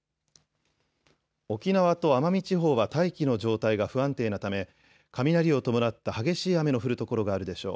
沖縄と奄美地方は大気の状態が不安定なため雷を伴った激しい雨の降る所があるでしょう。